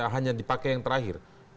hanya dipakai yang terakhir